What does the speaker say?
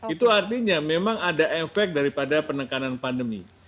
itu artinya memang ada efek daripada penekanan pandemi